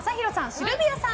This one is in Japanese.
シルビアさん